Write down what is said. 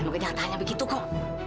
emang kenyataannya begitu kok